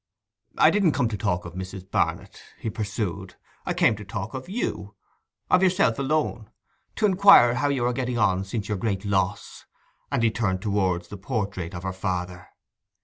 'I didn't come to talk of Mrs. Barnet,' he pursued; 'I came to talk of you, of yourself alone; to inquire how you are getting on since your great loss.' And he turned towards the portrait of her father.